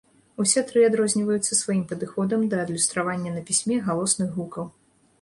Усе тры адрозніваюцца сваім падыходам да адлюстравання на пісьме галосных гукаў.